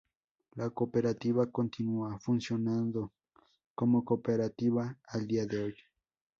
La cooperativa continúa funcionando como cooperativa al día de hoy.